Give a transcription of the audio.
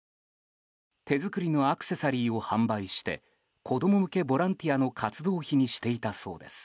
手作りのアクセサリーを販売して子供向けボランティアの活動費にしていたそうです。